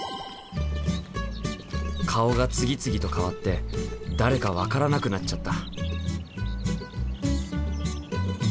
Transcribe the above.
顔が次々と変わって誰か分からなくなっちゃった。